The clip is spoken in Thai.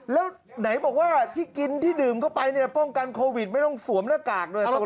แล้วไหนบอกว่าที่กินที่ดื่มเข้าไปเนี่ยป้องกันโควิดไม่ต้องสวมหน้ากากด้วย